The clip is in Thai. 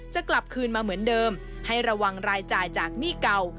จะกลับคืนมาเหมือนเดิมให้ระวังรายจ่ายจากหนี้เก่า